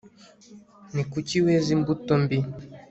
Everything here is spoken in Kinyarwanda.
ni kuki weze imbuto mbi